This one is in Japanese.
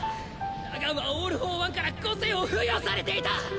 ナガンはオール・フォー・ワンから個性を付与されていた！